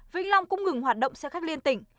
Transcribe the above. vĩnh long cũng ngừng hoạt động xe khách liên tỉnh